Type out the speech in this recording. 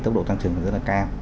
tốc độ tăng trưởng rất là cao